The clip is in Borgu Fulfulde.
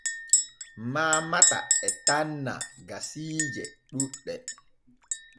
Maamata e tanna gasiije ɗuuɗɗe.